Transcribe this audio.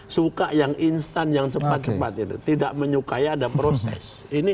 suka yang instan yang cepat cepat itu tidak menyukai ada proses ini